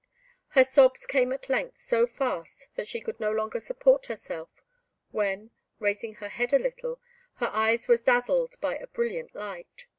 Her sobs came at length so fast that she could no longer support herself, when, raising her head a little, her eyes were dazzled by a brilliant light.